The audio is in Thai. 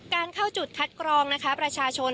การเข้าจุดคัดกรองนะคะประชาชน